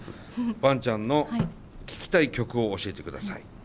バンちゃんの聴きたい曲を教えてください。